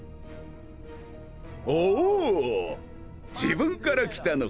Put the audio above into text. おお自分から来たのか。